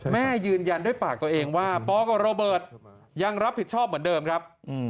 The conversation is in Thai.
ยืนยันด้วยปากตัวเองว่าปกับโรเบิร์ตยังรับผิดชอบเหมือนเดิมครับ